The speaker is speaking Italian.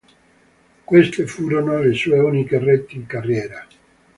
Queste furono le sue uniche reti in carriera.